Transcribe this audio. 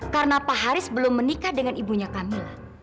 karena pak haris belum menikah dengan ibunya kamila